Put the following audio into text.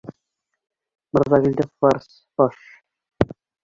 Мырҙагилде фарс., баш.